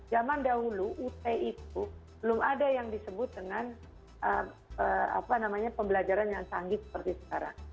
zaman dahulu ut itu belum ada yang disebut dengan pembelajaran yang canggih seperti sekarang